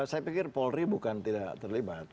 saya pikir polri bukan tidak terlibat